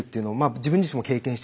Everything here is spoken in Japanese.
自分自身も経験してきたので。